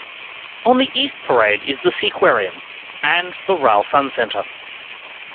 On the East Parade is the SeaQuarium and the Rhyl Suncentre.